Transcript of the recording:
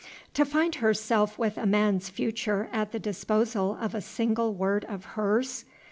To find herself with a man's future at the disposal of a single word of hers!